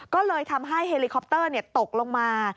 ก็เลยทำให้เฮลิคอปเตอร์ตกลงมา